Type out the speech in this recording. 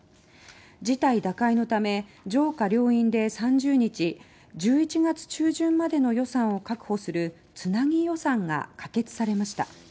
事態打開のため上下両院で３０日１１月中旬までの予算を確保するつなぎ予算が可決されました。